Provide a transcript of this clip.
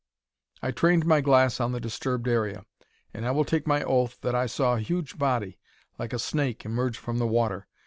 "I trained my glass on the disturbed area, and I will take my oath that I saw a huge body like a snake emerge from the water.